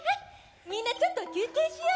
みんなちょっと休憩しよう。